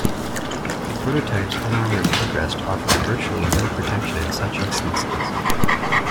The prototype's unarmored headrest offered virtually no protection in such instances.